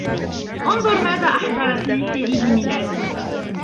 أنظر ماذا أحضرت لي في عيد ميلادي!